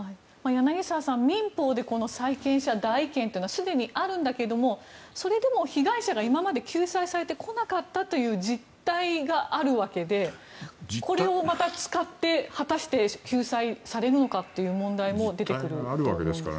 柳澤さん、民法でこの債権者代位権というのはすでにあるけれども被害者がそれまで救済されてこなかったという実態があるわけでこれをまた使って果たして救済されるのかという問題も出てくると思うんですが。